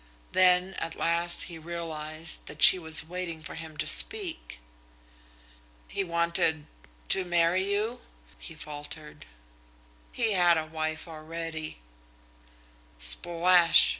Then at last he realised that she was waiting for him to speak. "He wanted to marry you?" he faltered. "He had a wife already." Splash!